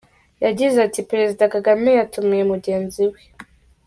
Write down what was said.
Yagize ati “Perezida Kagame yatumiye mugenzi we.